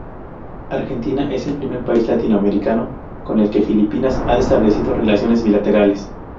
Argentina es el primer país latinoamericano con el que Filipinas ha establecido relaciones bilaterales.